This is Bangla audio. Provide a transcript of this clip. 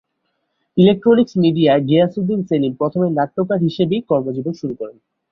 ইলেকট্রনিক্স মিডিয়ায় গিয়াস উদ্দিন সেলিম প্রথমে নাট্যকার হিসেবেই কর্মজীবন শুরু করেন।